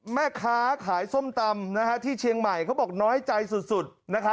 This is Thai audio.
แม่ค้าขายส้มตำที่เชียงใหม่เขาบอกน้อยใจสุด